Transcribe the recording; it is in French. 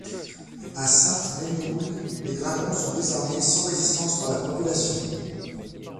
À Sainte-Menehould, les dragons sont désarmés sans résistance par la population.